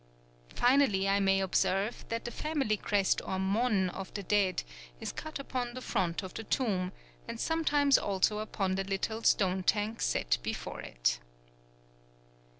Finally I may observe that the family crest or mon of the dead is cut upon the front of the tomb, and sometimes also upon the little stone tank set before it.